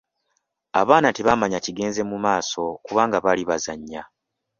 Abaana tebamanya kigenze mu maaso kubanga bali bazannya.